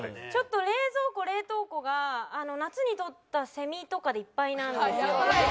ちょっと冷蔵庫冷凍庫が夏に捕ったセミとかでいっぱいなんですよ。